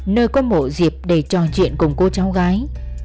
nơi có mộ dịp để trò chuyện cùng cô cháu gái